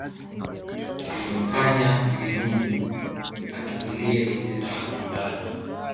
Uliomfanya Iddi Amini akimbilie nchi za mbali